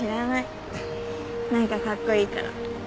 なんかかっこいいから。